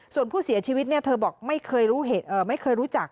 ส่วนผู้เสียชีวิตเธอบอกไม่เคยรู้จัก